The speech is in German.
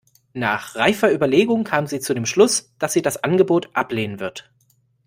Nach reifer Überlegung kam sie zu dem Schluss, dass sie das Angebot ablehnen wird.